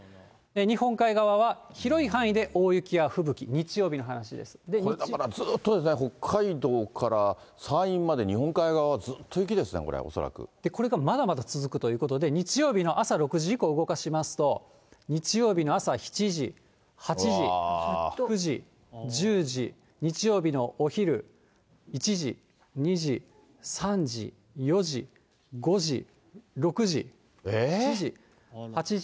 日本海側は広い範囲で大雪や吹雪、これずっとですね、北海道から山陰まで、日本海側はずっと雪ですね、これがまだまだ続くということで、日曜日の朝６時以降動かしますと、日曜日の朝７時、８時、９時、１０時、日曜日のお昼、１時、２時、３時、４時、５時、６時、７時、８時。